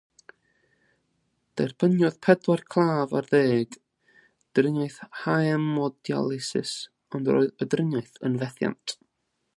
Derbyniodd pedwar claf ar ddeg driniaeth haemodialysis ond roedd y driniaeth yn fethiant.